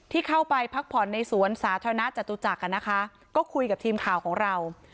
ที่เข้าไปพักผ่อนในสวนสาธารณะจตุจักรนะคะก็คุยกับทีมข่าวของเรา